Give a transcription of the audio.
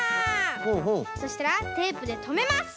そしたらテープでとめます。